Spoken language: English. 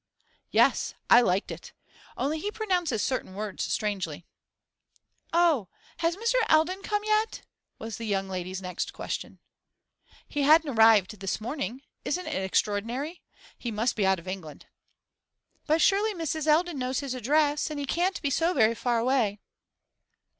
'Yes, I liked it. Only he pronounces certain words strangely.' 'Oh, has Mr. Eldon come yet?' was the young lady's next question. 'He hadn't arrived this morning. Isn't it extraordinary? He must be out of England.' 'But surely Mrs. Eldon knows his address, and he can't be so very far away.